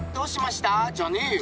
じゃねえよ。